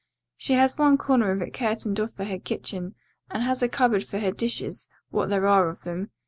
She has one corner of it curtained off for her kitchen and has a cupboard for her dishes, what there are of them.